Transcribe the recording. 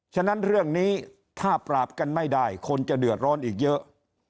ฉะนั้นเรื่องนี้ถ้าปราบกันไม่ได้คนจะเดือดร้อนอีกเยอะ